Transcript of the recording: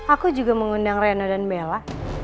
aku juga mengundang reno dan bella